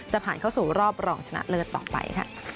จะผ่านเข้าสู่รอบรองชนะเลือดต่อไป